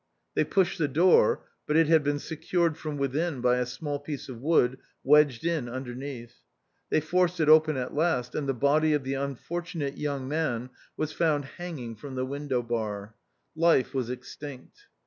They pushed the door, but it had been secured from within by a small piece of wood wedged in underneath. They forced it open at last, and the body of the unfor tunate young man was found hanging from THE OUTCAST. 15 the window bar. Life was extinct.